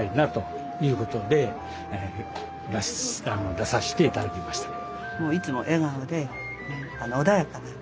出させていただきましたね。